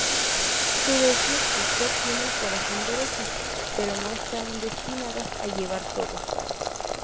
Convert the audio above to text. Su decir, usted tiene el corazón derecho, pero no estaban destinadas a llevar todo.